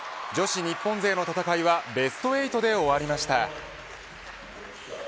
女子日本勢の戦いはベスト８で終わりました。